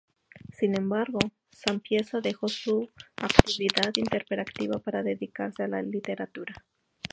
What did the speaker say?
Sin embargo, Sapienza dejó su actividad interpretativa para dedicarse a la literatura.